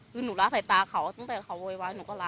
คือหนูละสายตาเขาตั้งแต่เขาโวยวายหนูก็ละ